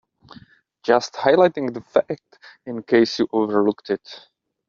Just highlighting that fact in case you overlooked it.